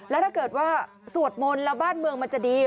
แล้วถ้าเกิดว่าสวดมนต์แล้วบ้านเมืองมันจะดี